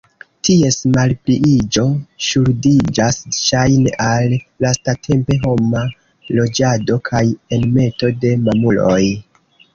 Ties malpliiĝo ŝuldiĝas ŝajne al lastatempe homa loĝado kaj enmeto de mamuloj.